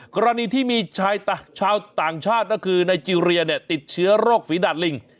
กรณีที่มีชายชาวต่างชาติก็คือไนเจรียติดเชื้อโรคฝีดาดลิง